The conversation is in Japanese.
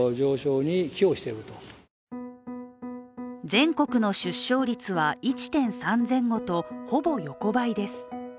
全国の出生率は１．３前後とほぼ横ばいです。